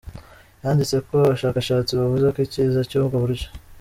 yanditse ko abashakashatsi bavuze ko icyiza cy’ubwo buryo.